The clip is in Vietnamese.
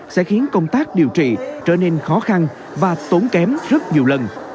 sẽ khiến công tác điều trị trở nên khó khăn và tốn kém rất nhiều lần